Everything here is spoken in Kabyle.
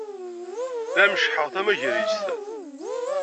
La meccḥeɣ tamagrist.